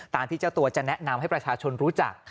ที่เจ้าตัวจะแนะนำให้ประชาชนรู้จัก